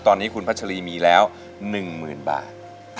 ตอนนี้คุณพัชรีมีแล้ว๑๐๐๐บาท